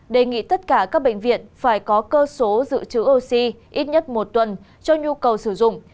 đề nghị tất cả các bệnh viện phải có cơ số dự trữ oxy ít nhất một tuần cho nhu cầu sử dụng